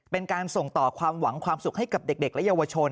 เป็นการส่งต่อความหวังความสุขให้กับเด็กและเยาวชน